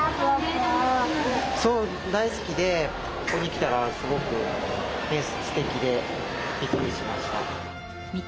大好きでここに来たらすごくステキでびっくりしました。